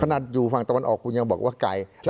ขนาดอยู่ฝั่งตะวันออกกูยังบอกว่าไกลใช่